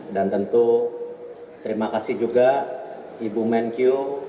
dan tentu terima kasih juga ibu menkyu